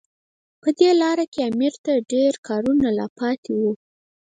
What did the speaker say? په دې لاره کې امیر ته ډېر کارونه لا پاتې وو.